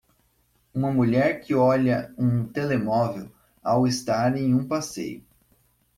Uma mulher que olha um telemóvel ao estar em um passeio.